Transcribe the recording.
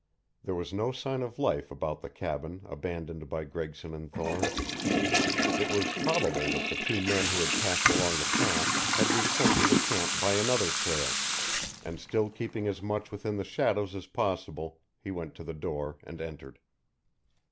There was no sign of life about the cabin abandoned by Gregson and Thorne. It was probable that the two men who had passed along the path had returned to the camp by another trail, and still keeping as much within the shadows as possible he went to the door and entered.